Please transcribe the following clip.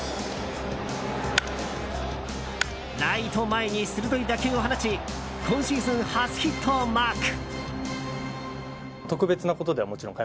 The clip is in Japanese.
ライト前に鋭い打球を放ち今シーズン初ヒットをマーク。